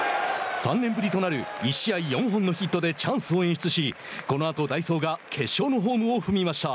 ３年ぶりとなる１試合４本のヒットでチャンスを演出しこのあと代走が決勝のホームを踏みました。